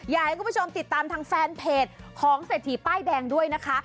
อยากให้คุณผู้ชมติดตามทางแฟนเพจของเศรษฐีป้ายแดงด้วยนะคะ